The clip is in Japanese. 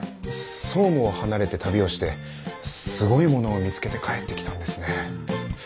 総務を離れて旅をしてすごいものを見つけて帰ってきたんですね。